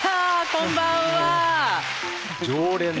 こんばんは。